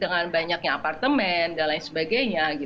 dengan banyaknya apartemen dan lain sebagainya